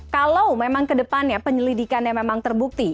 kalau memang kedepannya penyelidikannya memang terbukti